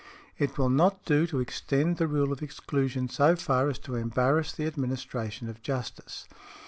"It will not do to extend the rule of exclusion so far as to embarrass the administration of justice.